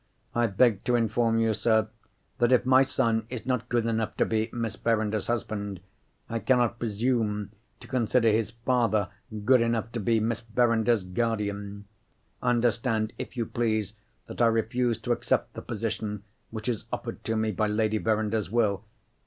I beg to inform you, sir, that, if my son is not good enough to be Miss Verinder's husband, I cannot presume to consider his father good enough to be Miss Verinder's guardian. Understand, if you please, that I refuse to accept the position which is offered to me by Lady Verinder's will.